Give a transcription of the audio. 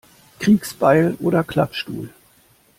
Kriegsbeil oder Klappstuhl?